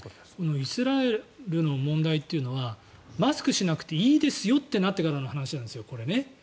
イスラエルの問題というのはマスクしなくていいですよとなってからの話なんです。